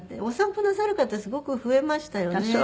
お散歩なさる方すごく増えましたよね。